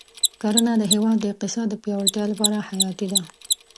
کرنه د هېواد د اقتصاد د پیاوړتیا لپاره حیاتي ده.